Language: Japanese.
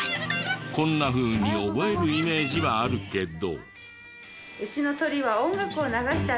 こんなふうに覚えるイメージはあるけど。